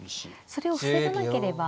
それを防がなければ。